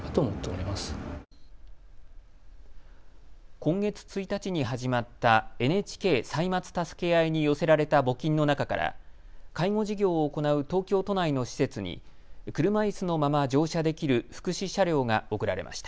今月１日に始まったＮＨＫ歳末たすけあいに寄せられた募金の中から介護事業を行う東京都内の施設に車いすのまま乗車できる福祉車両が贈られました。